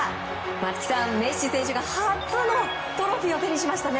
松木さん、メッシ選手が初のトロフィーを手にしましたね。